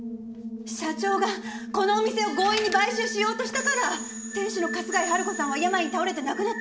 社長がこのお店を強引に買収しようとしたから店主の春日井春子さんは病に倒れて亡くなったんですよ！